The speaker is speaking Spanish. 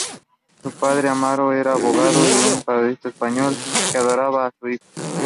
Su padre, Amaro, era abogado y un patriota español que adoraba a su hijo.